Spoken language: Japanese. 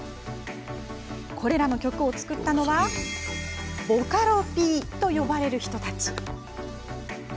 これらの曲を作ったのはボカロＰと呼ばれる人たち。